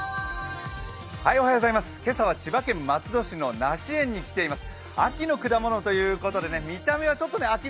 今朝は千葉県松戸市の梨園に来ています